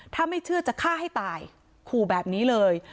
ถ้าไม่เชื่อจะฆ่าให้ตายขู่แบบนี้เลย